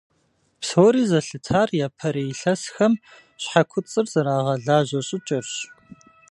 Псори зэлъытар япэрей илъэсхэм щхьэ куцӀыр зэрагъэлажьэ щӀыкӀэрщ.